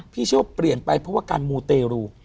พี่ชอบเปลี่ยนไปเพราะว่าการมูเตรู